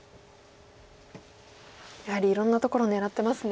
やはりいろんなところ狙ってますね。